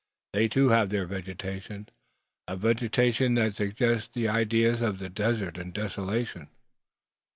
They too have their vegetation, a vegetation that suggests ideas of the desert and desolation.